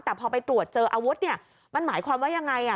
แต่พอไปตรวจเจออาวุธเนี่ยมันหมายความว่ายังไง